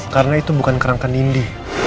karena itu bukan kerangka nindi